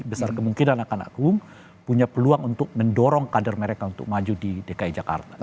besar kemungkinan akan agung punya peluang untuk mendorong kader mereka untuk maju di dki jakarta